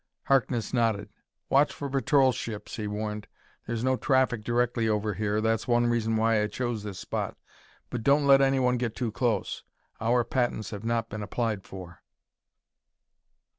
Harkness nodded. "Watch for patrol ships," he warned. "There's no traffic directly over here that's one reason why I chose this spot but don't let anyone get too close. Our patents have not been applied for."